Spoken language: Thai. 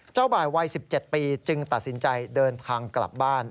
บ่ายวัย๑๗ปีจึงตัดสินใจเดินทางกลับบ้าน